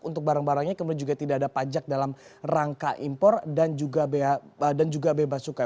untuk barang barangnya kemudian juga tidak ada pajak dalam rangka impor dan juga bebas cukai